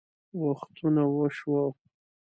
وختونه وشوه